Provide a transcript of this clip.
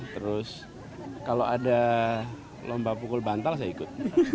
terus kalau ada lomba pukul bantal saya ikut